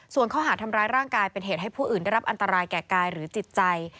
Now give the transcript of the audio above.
ส่วนข้อหาทำร้ายร่างกายเป็นเหตุให้ผู้อื่นได้รับอันตรายแก่กายหรือจิตใจ